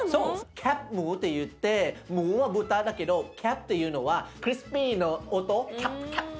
キャップっていってムーは豚だけどキャップっていうのはクリスピーの音。